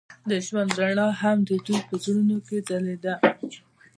د ژوند رڼا هم د دوی په زړونو کې ځلېده.